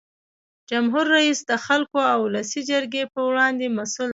جمهور رئیس د خلکو او ولسي جرګې په وړاندې مسؤل دی.